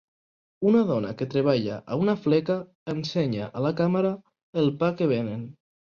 Una dona que treballa a una fleca ensenya a la càmera el pa que venen.